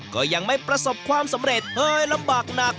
ก็ยังไม่ประสบความสำเร็จเคยลำบากหนัก